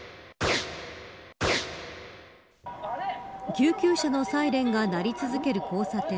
救急車のサイレンが鳴り続ける交差点。